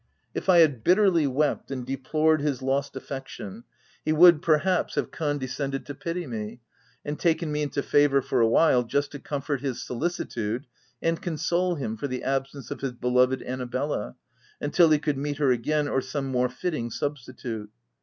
If I had bitterly w r ept, and de plored his lost affection, he would, perhaps, have condescended to pity me, and taken me into favour for a while, just to comfort his soli tude and console him for the absence of his beloved Annabella, until he could meet her again, or some more fitting substitute.